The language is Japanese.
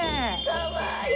かわいい！